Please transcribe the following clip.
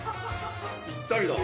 ぴったりだわ。